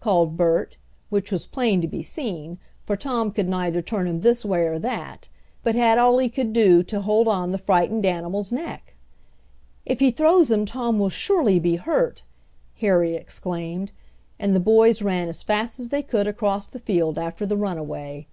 called Bert, which was plain to be seen, for Tom could neither turn him this way or that, but had all he could do to hold on the frightened animal's neck. "If he throws him Tom will surely be hurt!" Harry exclaimed, and the boys ran as fast as they could across the field after the runaway.